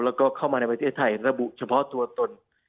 แล้วก็เข้ามาในประเทศไทยระบุเฉพาะตัวตน